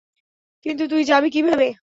কিন্তু তুই যাবি কিভাবে?